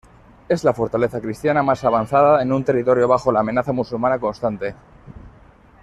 Es la fortaleza cristiana más avanzada en un territorio bajo la amenaza musulmana constante.